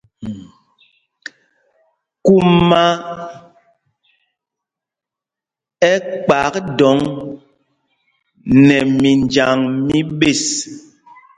Kuma ɛ kpak dɔŋ nɛ minjaŋ mí ɓes.